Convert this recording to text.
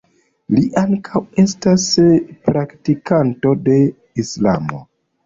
Li ankaŭ estas praktikanto de islamo.